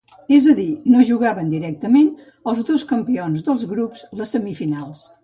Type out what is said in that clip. És a dir, no jugaven directament els dos campions de grups les semifinals.